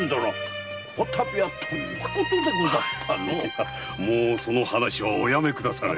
いやもうその話はおやめくだされ。